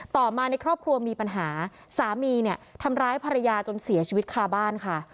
ต่อมาในครอบครัวมีปัญหาสามีเนี่ยทำร้ายภรรยาจนเสียชีวิตคาบ้านค่ะ